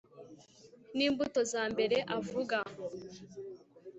Nimbuto za mbere avuga